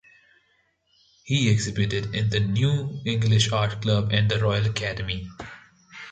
He exhibited in the New English Art Club and the Royal Academy.